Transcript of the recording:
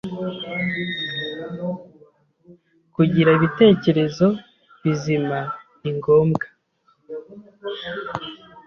Kugira Ibitekerezo bizima ni ngombwa